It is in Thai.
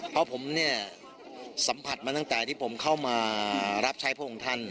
เพราะผมเนี่ยสัมผัสมาตั้งแต่ที่ผมเข้ามารับใช้พระองค์ท่าน